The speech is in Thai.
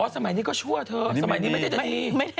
สมัยนี้ก็ชั่วเถอะไม่อันดิวก่อน